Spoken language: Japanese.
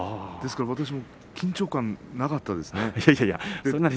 ですから私も緊張感はなかったですね。